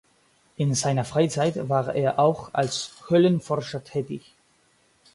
In seiner Freizeit war er auch als Höhlenforscher tätig.